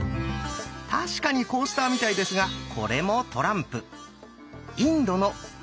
確かにコースターみたいですがこれもトランプ。